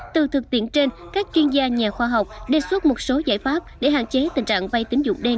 từ thực tiện trên các chuyên gia nhà khoa học đề xuất một số giải pháp để hạn chế tình trạng vay tín dụng đen